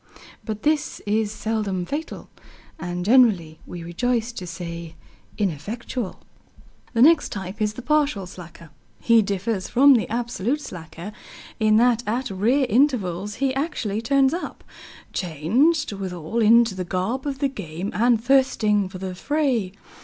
But this is seldom fatal, and generally, we rejoice to say, ineffectual. The next type is the partial slacker. He differs from the absolute slacker in that at rare intervals he actually turns up, changed withal into the garb of the game, and thirsting for the fray.